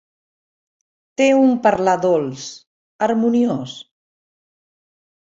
Té un parlar dolç, harmoniós.